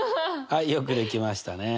はいよくできましたね。